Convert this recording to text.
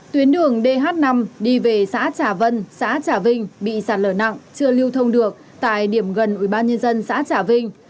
trường trả vân xã trả vinh bị sạt lở nặng chưa lưu thông được tại điểm gần ubnd xã trả vinh